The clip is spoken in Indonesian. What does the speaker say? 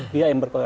dia yang berkuasa